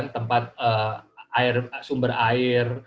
tempat sumber air